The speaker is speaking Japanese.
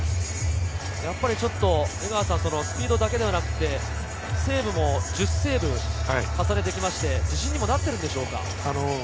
やっぱりちょっとスピードだけではなくて、セーブも１０セーブ重ねてきて自信にもなってきているんでしょうか。